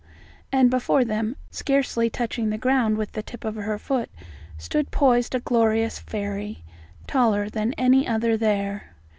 And before them, scarcely touching the ground with the tip of her foot, stood poised a glorious fairy, taller than any other there.